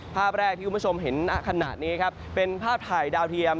ภาพแรกที่คุณผู้ชมเห็นณขณะนี้ครับเป็นภาพถ่ายดาวเทียม